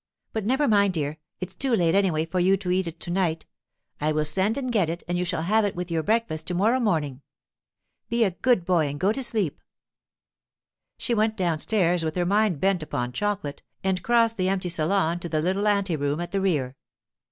But never mind, dear; it's too late, anyway, for you to eat it to night. I will send and get it, and you shall have it with your breakfast to morrow morning. Be a good boy and go to sleep.' She went downstairs with her mind bent upon chocolate, and crossed the empty salon to the little ante room at the rear.